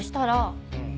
うん。